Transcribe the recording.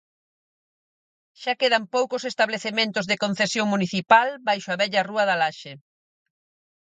Xa quedan poucos establecementos de concesión municipal baixo a vella rúa da Laxe.